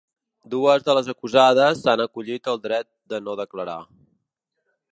Dues de les acusades s’han acollit al dret de no declarar.